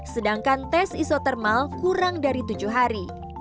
sedangkan tes isotermal kurang dari tujuh hari